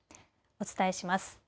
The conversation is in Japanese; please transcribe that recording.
お伝えします。